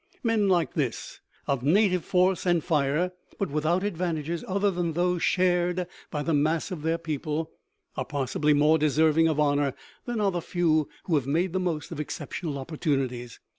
Men like this, of native force and fire, but without advantages other than those shared by the mass of their people, are possibly more deserving of honor than are the few who have made the most of exceptional opportunities.